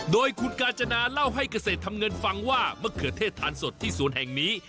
โดยคุณกาญจนาเล่าให้เกษตรทำเงินฟังว่ามะเขือเทศทานสดที่สวนแห่งนี้